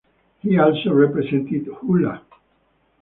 He also represented Huila.